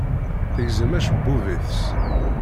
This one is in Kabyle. Tegzem acebbub-is.